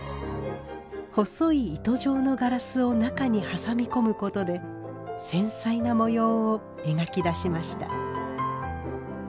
細い糸状のガラスを中に挟み込むことで繊細な模様を描き出しました。